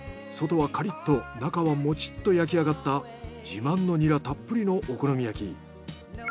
外はカリッと中はモチッと焼きあがった自慢のニラたっぷりのお好み焼き。